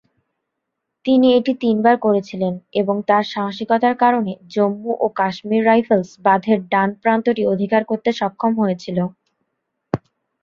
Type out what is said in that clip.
তিনি এটি তিনবার করেছিলেন এবং তাঁর সাহসিকতার কারণে জম্মু ও কাশ্মীর রাইফেলস বাঁধের ডান প্রান্তটি অধিকার করতে সক্ষম হয়েছিল।